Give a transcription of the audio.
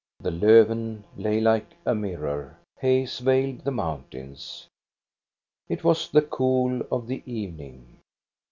The Lofven lay like a mirror, haze veiled the mountains, it was the cool of the evening.